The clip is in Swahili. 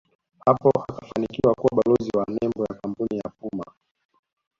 hapo akafanikiwa kuwa balozi wa nembo ya kampuni ya Puma